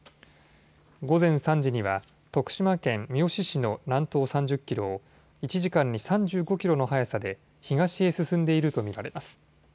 午前３時には徳島県三好市の南東３０キロを１時間に３５キロの速さで東へ進んでいるとみられます。